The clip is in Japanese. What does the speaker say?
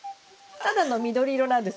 ただの緑色なんですよ。